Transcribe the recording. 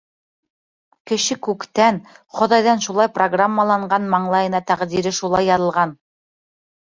Кеше күктән, Хоҙайҙан шулай программаланған, маңлайына тәҡдире шулай яҙылған.